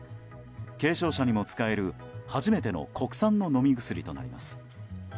軽症者にも使える、初めての国産の飲み薬となります。